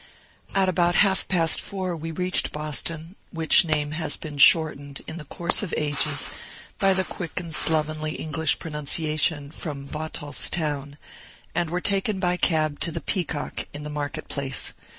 At about half past four we reached Boston (which name has been shortened, in the course of ages, by the quick and slovenly English pronunciation, from Botolph's town), and were taken by a cab to the Peacock, in the market place.